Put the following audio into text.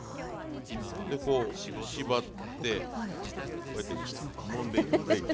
でこう縛ってこうやってもんで頂いて。